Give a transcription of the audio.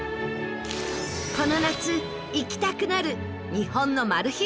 この夏行きたくなる日本のマル秘